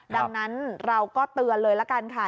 ดังนั้นเราก็เตือนเลยละกันค่ะ